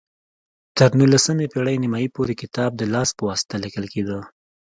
تر نولسمې پېړۍ نیمايي پورې کتاب د لاس په واسطه لیکل کېده.